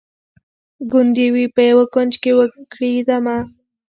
ګوندي وي په یوه کونج کي وکړي دمه